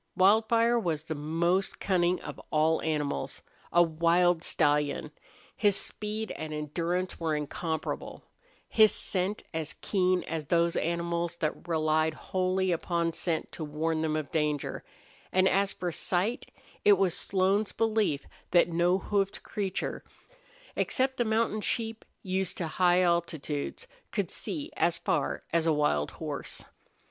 Wildfire was the most cunning of all animals a wild stallion; his speed and endurance were incomparable; his scent as keen as those animals that relied wholly upon scent to warn them of danger; and as for sight, it was Slone's belief that no hoofed creature, except the mountain sheep used to high altitudes, could see as far as a wild horse.